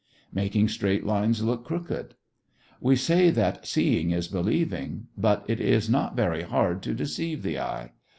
MAKING STRAIGHT LINES LOOK CROOKED We say that "seeing is believing," but it is not very hard to deceive the eye.